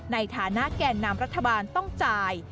ในฐานะแก่นำรัฐบาลต้องจ่าย